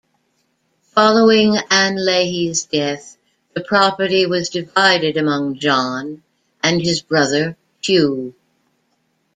Following Ann Leahy's death, the property was divided among John and his brother Hugh.